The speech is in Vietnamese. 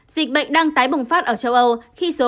dịch bệnh đang tái bùng phát ở châu âu